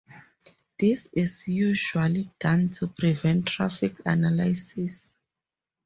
This is usually done to prevent traffic analysis.